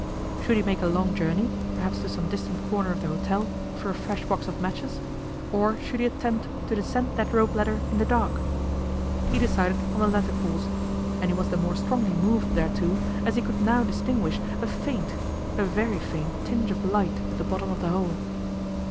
Should he make a long journey, perhaps to some distant corner of the hotel, for a fresh box of matches, or should he attempt to descend that rope ladder in the dark? He decided on the latter course, and he was the more strongly moved thereto as he could now distinguish a faint, a very faint tinge of light at the bottom of the hole.